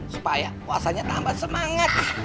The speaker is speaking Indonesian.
supaya puasanya tambah semangat